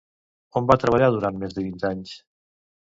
On va treballar durant més de vint anys?